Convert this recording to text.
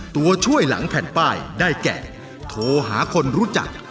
ตัวช่วยหลังแผ่นป้ายได้แก่โทรหาคนรู้จัก